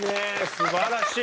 すばらしい。